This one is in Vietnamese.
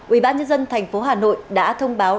ubnd tp hà nội đã thông báo